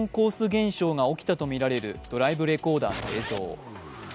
現象が起きたとみられるドライブレコーダーの映像。